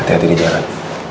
hati hati di jalan